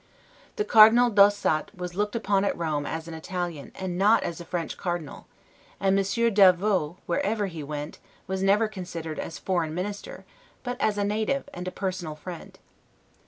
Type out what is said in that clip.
The Cardinal d'Ossat was looked upon at Rome as an Italian, and not as a French cardinal; and Monsieur d'Avaux, wherever he went, was never considered as a foreign minister, but as a native, and a personal friend.